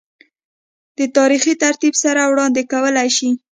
دَ تاريخي ترتيب سره وړاند ې کولے شي